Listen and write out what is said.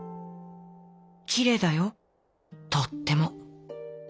きれいだよとっても。